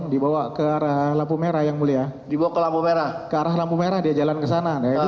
di bawah ke lampu merah dia jalan ke sana